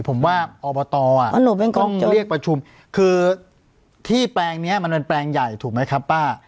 ผมว่าอบตต้องจะเรียกประชุมคือที่แปลงนี้มันเป็นแปลงใหญ่ถูกไหมครับป้า